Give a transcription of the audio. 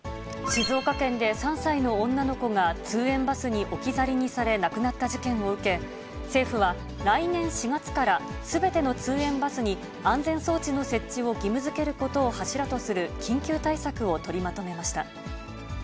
静岡県で３歳の女の子が通園バスに置き去りにされ、亡くなった事件を受け、政府は来年４月から、すべての通園バスに安全装置の設置を義務づけることを柱とする緊急対策を取りまとめました。